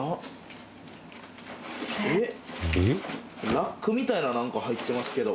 ラックみたいななんか入ってますけど。